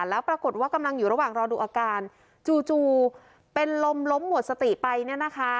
แล้วปรากฏว่ากำลังอยู่ระหว่างรอดูอาการจู่เป็นลมล้มหมดสติไปเนี่ยนะคะ